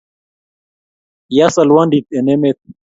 ya solwondit eng emet